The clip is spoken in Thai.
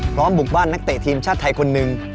บุกบ้านนักเตะทีมชาติไทยคนหนึ่ง